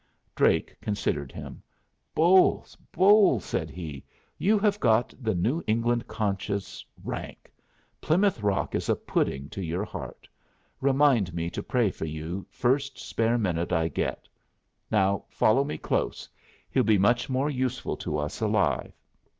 Drake considered him. "Bolles, Bolles," said he, "you have got the New England conscience rank. Plymouth Rock is a pudding to your heart. Remind me to pray for you first spare minute I get. Now follow me close. He'll be much more useful to us alive."